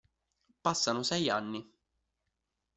Passano sei anni.